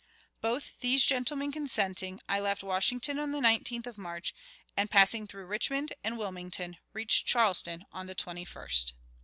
"Both these gentlemen consenting, I left Washington on the 19th of March, and, passing through Richmond and Wilmington, reached Charleston on the 21st."